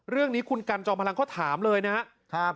เรื่องนี้คุณกันจอมพลังเขาถามเลยนะครับ